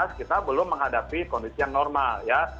kami pengadilan kami untuk menghadapi kondisi yang normal ya